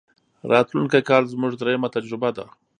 راتلونکی کال زموږ درېمه تجربه ده.